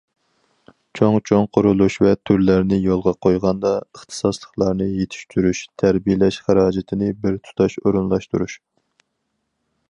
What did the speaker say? چوڭ- چوڭ قۇرۇلۇش ۋە تۈرلەرنى يولغا قويغاندا، ئىختىساسلىقلارنى يېتىشتۈرۈش، تەربىيەلەش خىراجىتىنى بىر تۇتاش ئورۇنلاشتۇرۇش.